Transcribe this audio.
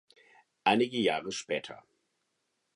Einige Jahre später.